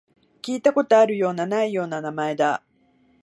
聞いたことあるような、ないような名前だ